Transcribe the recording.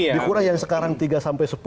dikurah yang sekarang tiga sampai sepuluh